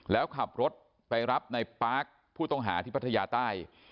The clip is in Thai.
แล้วขับรถไปรับในปาร์คผู้ต้องหาที่พัทยาใต้